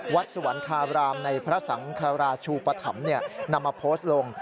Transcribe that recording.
สวรรคาบรามในพระสังคราชูปธรรมนำมาโพสต์ลง